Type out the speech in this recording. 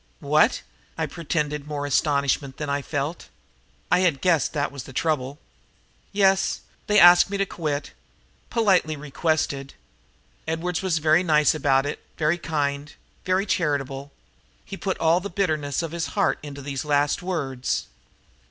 "What!" I pretended more astonishment than I felt. I had guessed what the trouble was. "Yes, they asked me to quit politely requested. Edwards was very nice about it very kind very charitable." He put all the bitterness of his heart into these last words.